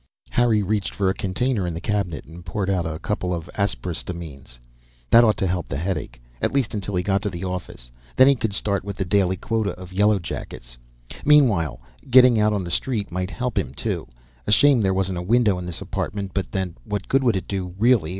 Harry reached for a container in the cabinet and poured out a couple of aspirystamines. That ought to help the headache. At least until he got to the office. Then he could start with the daily quota of yellowjackets. Meanwhile, getting out on the street might help him, too. A shame there wasn't a window in this apartment, but then, what good would it do, really?